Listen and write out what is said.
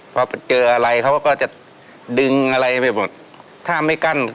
เกิบอะไรเขาก็จะดึงอะไรไปแล้ว